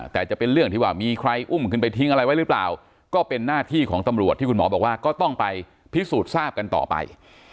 แต่จะเป็นเรื่องที่ว่ามีใครอุ้มขึ้นไปทิ้งอะไรไว้หรือเปล่าก็เป็นหน้าที่ของตำรวจที่คุณหมอบอกว่าก็ต้องไปพิสูจน์ทราบกันต่อไป